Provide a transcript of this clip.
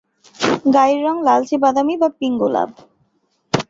গায়ের রং লালচে বাদামী বা পিংগলাভ।